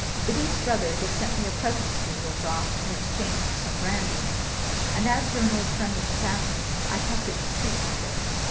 Biddy's brother just sent me a present of a little drop, in exchange for some brandy, and as you're an old friend of the family, I kept it to treat you with."